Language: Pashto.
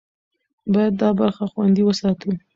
باید دا برخه خوندي وساتو.